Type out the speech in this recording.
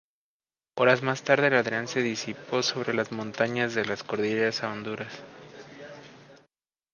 Horas más tarde, el Adrián se disipó sobre las montañas de la cordillera hondureña.